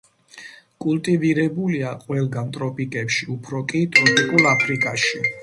კულტივირებულია ყველგან ტროპიკებში, უფრო კი ტროპიკულ აფრიკაში.